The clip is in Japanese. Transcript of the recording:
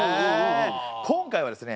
今回はですね